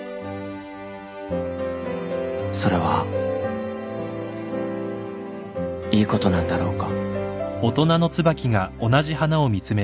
それはいいことなんだろうか